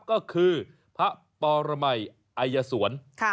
ก็คือพระปอรมัยอายสวรค่ะ